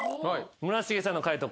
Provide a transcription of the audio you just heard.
村重さんの解答